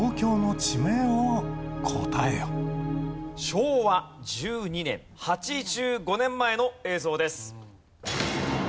昭和１２年８５年前の映像です。